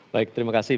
baik terima kasih